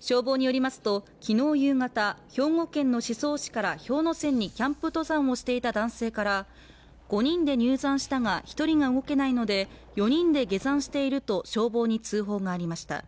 消防によりますと昨日夕方、兵庫県の宍粟市から氷ノ山にキャンプ登山をしていた男性から５人で入山したが１人が動けないので４人で下山していると消防に通報がありました。